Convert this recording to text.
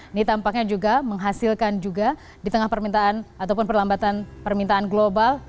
ini tampaknya juga menghasilkan juga di tengah permintaan ataupun perlambatan permintaan global